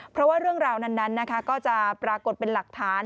เพราะว่าเรื่องราวนั้นก็จะปรากฏเป็นหลักฐาน